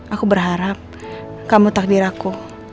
aku berharap kamu takdir aku